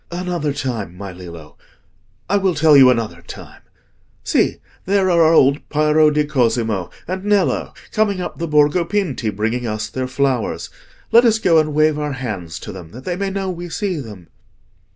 "Another time, my Lillo—I will tell you another time. See, there are our old Piero di Cosimo and Nello coming up the Borgo Pinti, bringing us their flowers. Let us go and wave our hands to them, that they may know we see them."